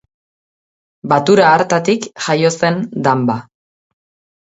Batura hartatik jaio zen Danba.